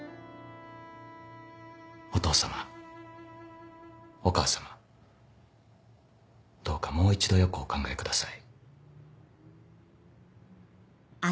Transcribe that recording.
お父様お母様どうかもう一度よくお考えください。